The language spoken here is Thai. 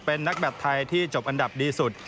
เป็นนักแบตไทยที่จบอันดับดีสุด